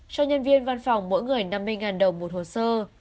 cho nhân viên văn phòng mỗi người năm mươi đồng một hồ sơ